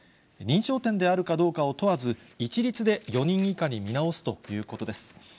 認証店であるかどうかを問わず、一律で４人以下に見直すということです。